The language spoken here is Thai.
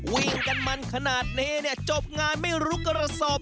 วิ่งกันมันขนาดนี้จบงานไม่รุกกรสอบ